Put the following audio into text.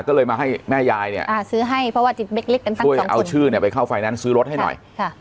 ก็เลยมาให้แม่ยายเนี่ยช่วยเอาชื่อไปเข้าไฟแนนซ์ซื้อรถให้หน่อย